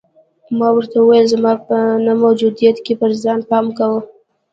ما ورته وویل: زما په نه موجودیت کې پر ځان پام کوه.